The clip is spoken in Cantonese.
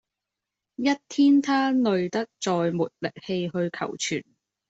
一天他累得再沒力氣去求存